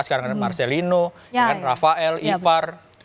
sekarang ada marcelino rafael ivar